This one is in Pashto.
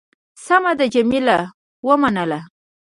سمه ده. جميله ومنله.